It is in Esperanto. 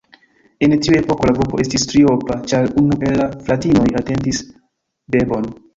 En tiu epoko la grupo estis triopa, ĉar unu el la fratinoj atendis bebon.